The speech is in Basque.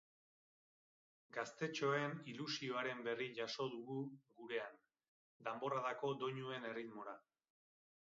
Gaztetxoen ilusioaren berri jaso dugu gurean, danborradako doinuen erritmora.